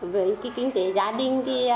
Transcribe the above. với kinh tế gia đình